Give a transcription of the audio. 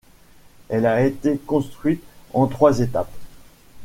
Elle a été construite en trois étapes.